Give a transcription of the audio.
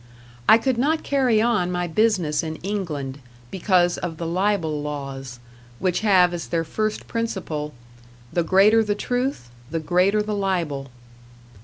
I could not carry on my business in England, because of the libel laws, which have as their first principle "the greater the truth, the greater the libel".